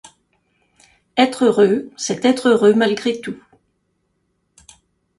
Être heureux, c'est être heureux malgré tout.